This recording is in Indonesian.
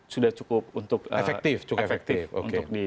sudah cukup untuk efektif untuk ditegak